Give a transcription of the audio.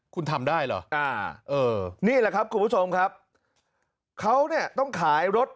คุณทำได้เหรออ่าเออนี่แหละครับคุณผู้ชมครับเขาเนี่ยต้องขายรถ